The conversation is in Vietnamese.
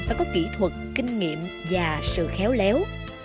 phải có kỹ thuật kinh nghiệm và sự khéo léo